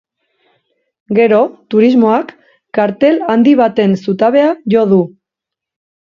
Gero, turismoak kartel handi baten zutabea jo du.